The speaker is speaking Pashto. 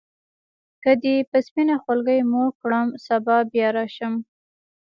که دي په سپینه خولګۍ موړ کړم سبا بیا راشم.